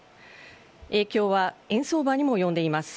影響は円相場にも及んでいます。